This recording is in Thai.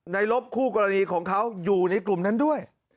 ลบคู่กรณีของเขาอยู่ในกลุ่มนั้นด้วย